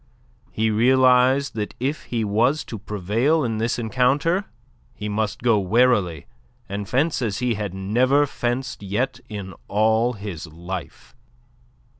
He realized that if he was to prevail in this encounter, he must go warily and fence as he had never fenced yet in all his life.